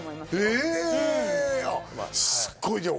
すっごい！